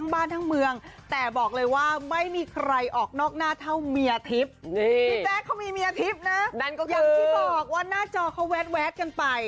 พี่แจ๊คเขามีเมียทิพย์นะอย่างที่บอกว่าหน้าจอเขาแวดกันไป